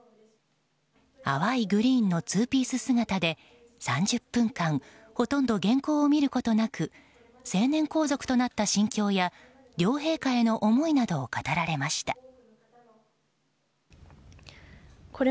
淡いグリーンのツーピース姿で３０分間ほとんど原稿を見ることなく成年皇族となった心境や両陛下への思いなどを語られました。